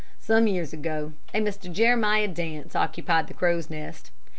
Some years ago a Mr. Jeremiah Dance occupied the Crow's Nest.